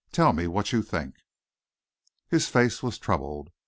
Tell me what you think." His face was troubled.